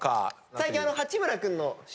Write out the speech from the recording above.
最近。